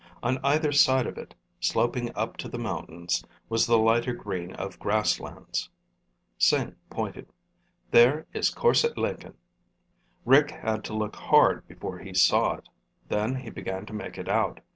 On either side of it, sloping up to the mountains, was the lighter green of grasslands. Sing pointed. "There is Korse Lenken." Rick had to look hard before he saw it. Then he began to make it out.